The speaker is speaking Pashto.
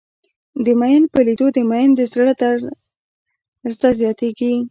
د ميئن په لېدو د ميئن د زړه درزه زياتېږي.